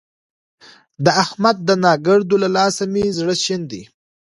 د احمد د ناکړدو له لاسه مې زړه شين دی.